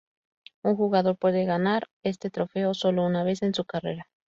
Un jugador puede ganar este trofeo sólo una vez en su carrera.